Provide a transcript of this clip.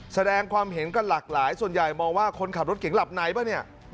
แสดงความเห็นกันหลากหลายส่วนใหญ่มองว่าคนขับรถเก่งหลับไหนป่ะเนี่ย